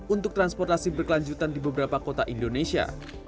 untuk transportasi berkelanjutan di beberapa kota indonesia